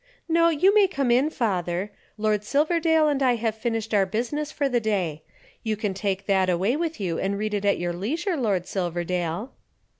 "No, you may come in, father. Lord Silverdale and I have finished our business for the day. You can take that away with you and read it at your leisure, Lord Silverdale."